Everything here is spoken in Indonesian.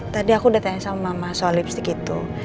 tadi aku udah tanya sama mama soal lipstick itu